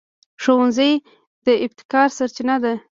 ښوونځی د ابتکار سرچینه ده